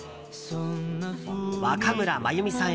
若村麻由美さん